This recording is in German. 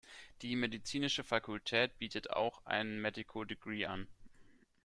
Die medizinische Fakultät bietet auch ein Medical degree an.